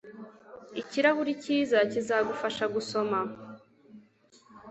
Ikirahuri cyiza kizagufasha gusoma.